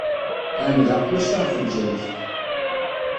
Ɛemmdeɣ kulci ɣef lǧal-ik.